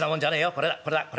これだこれこれ。